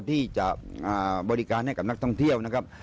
ที่จะบริการให้กับนักท่องเที่ยวนะครับ